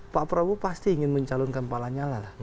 pak prabowo pasti ingin mencalonkan pak lanyala lah